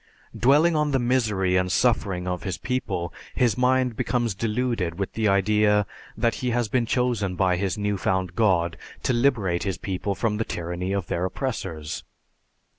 _ Dwelling on the misery and suffering of his people, his mind becomes deluded with the idea that he has been chosen by his new found God to liberate his people from the tyranny of their oppressors.